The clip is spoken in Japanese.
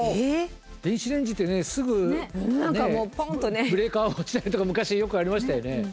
電子レンジってねすぐブレーカー落ちたりとか昔よくありましたよね。